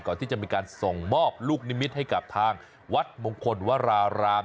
ก่อนที่จะมีการส่งมอบลูกนิมิตรให้กับทางวัดมงคลวราราม